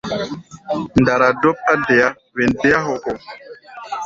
Ndara dóp á deá wen déá hɔkɔ.